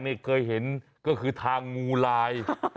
นี่เคยเห็นก็คือทางงูลาย